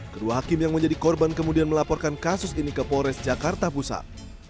kedua hakim yang menjadi korban kemudian melaporkan kasus ini ke polres jakarta pusat